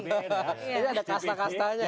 ini ada kasta kastanya